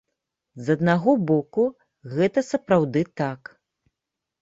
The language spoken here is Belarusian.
З аднаго боку, гэта сапраўды так.